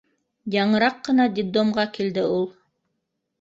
Яңыраҡ ҡына детдомға килде ул.